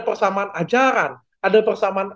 persamaan ajaran ada persamaan